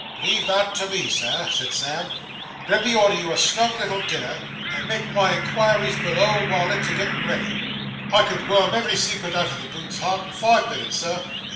'Leave that to me, Sir,' said Sam. 'Let me order you a snug little dinner, and make my inquiries below while it's a getting ready; I could worm ev'ry secret out O' the boots's heart, in five minutes, Sir.